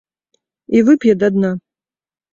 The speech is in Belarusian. І вып'е да дна.